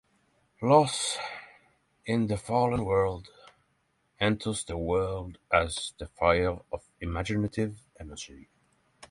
Los, in the fallen world, enters the world as the fire of imaginative energy.